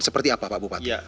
seperti apa pak bupati